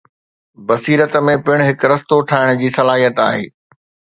بصيرت ۾ پڻ هڪ رستو ٺاهڻ جي صلاحيت آهي.